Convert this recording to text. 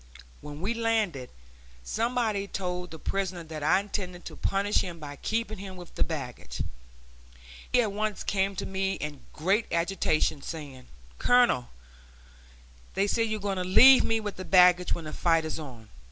When we landed, somebody told the prisoner that I intended to punish him by keeping him with the baggage. He at once came to me in great agitation, saying: "Colonel, they say you're going to leave me with the baggage when the fight is on.